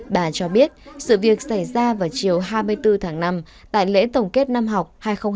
bà cho biết sự việc xảy ra vào chiều hai mươi bốn tháng năm tại lễ tổng kết năm học hai nghìn hai mươi hai nghìn hai mươi